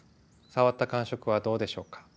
触った感触はどうでしょうか？